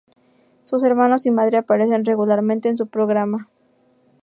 Sus hermanos y madre aparecen regularmente en su programa.